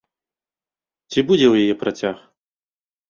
Ці будзе ў яе працяг?